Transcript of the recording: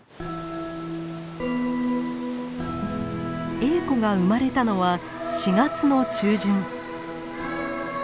エーコが生まれたのは４月の中旬。